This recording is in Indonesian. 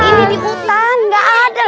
ini di hutan gaada